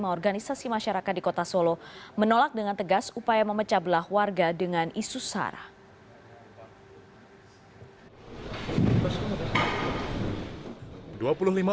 lima organisasi masyarakat di kota solo menolak dengan tegas upaya memecah belah warga dengan isu sarah